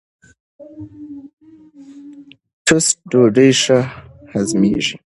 ټوسټ ډوډۍ ښه هضمېږي.